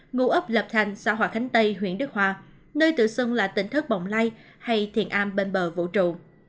ngụ ấp lập thành xã hòa khánh tây huyện đức hòa nơi tự xưng là tỉnh thất bồng lai hay thiền a bên bờ vũ trụ